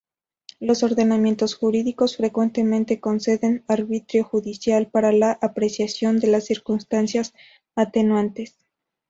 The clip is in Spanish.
Los ordenamientos jurídicos frecuentemente conceden arbitrio judicial para la apreciación de las circunstancias atenuantes.